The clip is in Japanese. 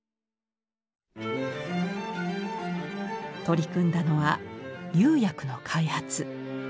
取り組んだのは釉薬の開発。